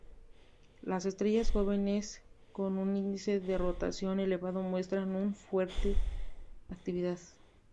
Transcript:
Las estrellas jóvenes con un índice de rotación elevado muestran una fuerte actividad.